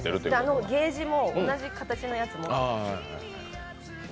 あのケージも同じ形のやつ持ってて。